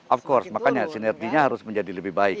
of course makanya sinerginya harus menjadi lebih baik